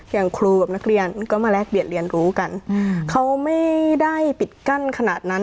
อย่างครูกับนักเรียนก็มาแลกเบียดเรียนรู้กันเขาไม่ได้ปิดกั้นขนาดนั้น